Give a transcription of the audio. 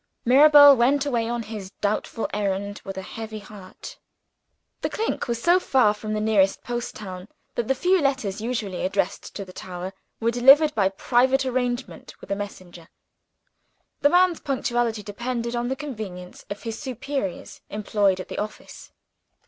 Mirabel went away on his doubtful errand with a heavy heart. "The Clink" was so far from the nearest post town, that the few letters, usually addressed to the tower, were delivered by private arrangement with a messenger. The man's punctuality depended on the convenience of his superiors employed at the office.